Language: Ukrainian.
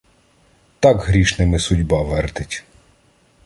Так грішними судьба вертить!